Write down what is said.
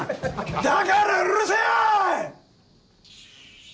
だからうるせぇよ‼